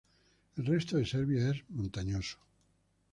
El resto de Serbia es montañoso.